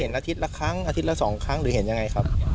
อาทิตย์ละครั้งอาทิตย์ละ๒ครั้งหรือเห็นยังไงครับ